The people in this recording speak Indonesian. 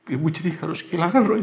ibu jadi harus kehilangan roy